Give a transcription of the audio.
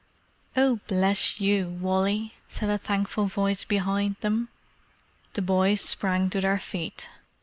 "Oh, bless you, Wally!" said a thankful voice behind them. The boys sprang to their feet.